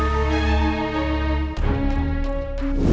mbak ada belanja disini